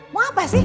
mau apa sih